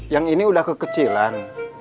yang ini udah kekecilan